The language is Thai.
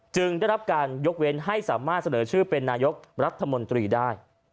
ได้รับการยกเว้นให้สามารถเสนอชื่อเป็นนายกรัฐมนตรีได้